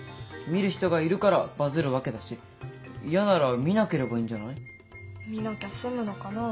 見る人がいるからバズるわけだし嫌なら見なければいいんじゃない？見なきゃ済むのかな？